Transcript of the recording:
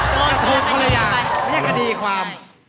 โดนคนละอย่างไม่ใช่คดีความ